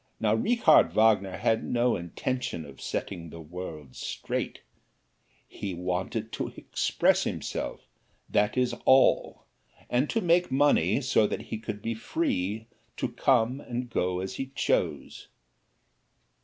Now Richard Wagner had no intention of setting the world straight he wanted to express himself, that was all, and to make enough money so he could be free to come and go as he chose.